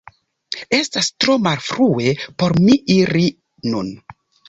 Estas tro malfrue por mi iri nun